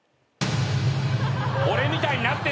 俺みたいになってるよ！